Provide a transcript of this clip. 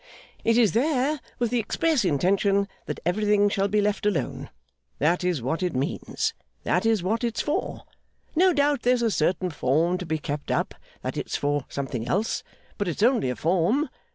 'It is there with the express intention that everything shall be left alone. That is what it means. That is what it's for. No doubt there's a certain form to be kept up that it's for something else, but it's only a form.